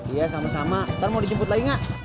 iya sama sama ntar mau ditemput lagi enggak